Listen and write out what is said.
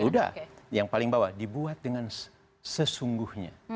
udah yang paling bawah dibuat dengan sesungguhnya